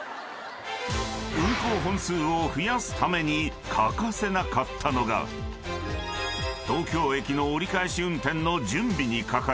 ［運行本数を増やすために欠かせなかったのが東京駅の折り返し運転の準備にかかる］